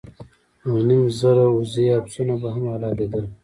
دوه نیم زره اوزې او پسونه به هم حلالېدل.